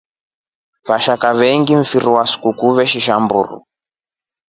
Vashaka vyenyengi mfiri wa sukuku veshinja mburu.